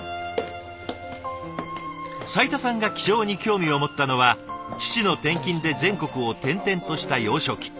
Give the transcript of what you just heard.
斉田さんが気象に興味を持ったのは父の転勤で全国を転々とした幼少期。